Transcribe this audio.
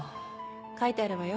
書いてあるわよ